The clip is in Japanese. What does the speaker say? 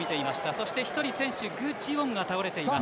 そして１人、選手具智元が倒れています。